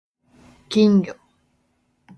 King